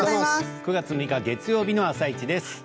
９月６日月曜日の「あさイチ」です。